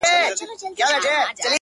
ځوان ناست دی;